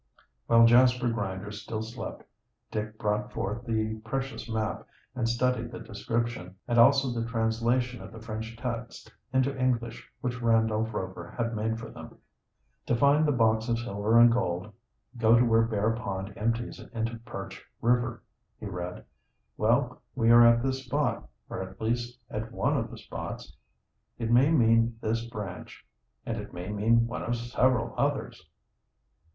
While Jasper Grinder still slept Dick brought forth the precious map and studied the description, and also the translation of the French text into English, which Randolph Rover had made for them. "'To find the box of silver and gold, go to where Bear Pond empties into Perch River,'" he read. "Well, we are at this spot, or, at least, at one of the spots. It may mean this branch, and it may mean one of several others."